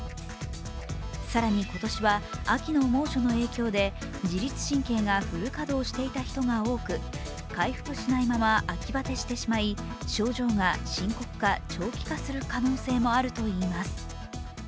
更に、今年は秋の猛暑の影響で自律神経がフル稼働していた人が多く回復しないまま秋バテしてしまい症状が深刻化・長期化する可能性もあるといいます。